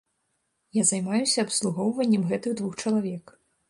Я займаюся абслугоўваннем гэтых двух чалавек.